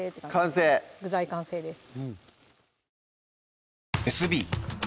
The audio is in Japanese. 完成具材完成です